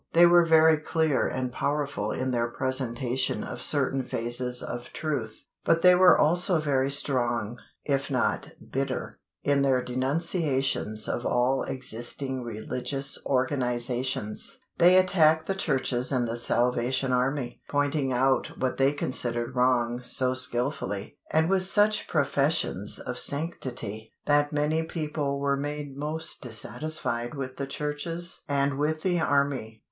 They were very clear and powerful in their presentation of certain phases of truth, but they were also very strong, if not bitter, in their denunciations of all existing religious organisations. They attacked the churches and The Salvation Army, pointing out what they considered wrong so skilfully, and with such professions of sanctity, that many people were made most dissatisfied with the churches and with The Army.